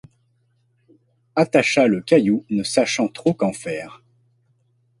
Attacha le caillou, ne sachant trop qu'en faire